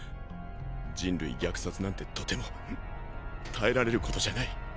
人類虐殺なんてとても耐えられることじゃない。